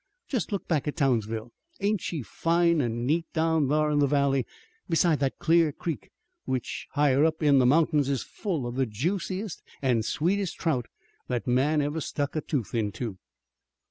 Jest look back at Townsville. Ain't she fine an' neat down thar in the valley, beside that clear creek which higher up in the mountains is full of the juiciest an' sweetest trout that man ever stuck a tooth into."